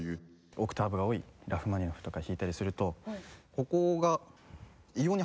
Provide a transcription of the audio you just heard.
オクターブが多いラフマニノフとかを弾いたりするとここが異様に発達したんですね。